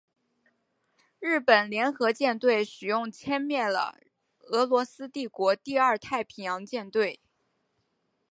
日本联合舰队使用歼灭了俄罗斯帝国第二太平洋舰队。